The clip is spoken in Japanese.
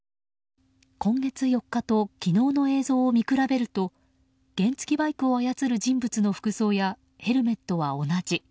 今月４日と昨日の映像を見比べると原付きバイクを操る人物の服装やヘルメットは同じ。